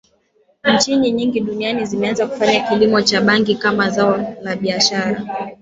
Nchi nyingi duniani zimeanza kufanya kilimo Cha bangi Kama zao la biashara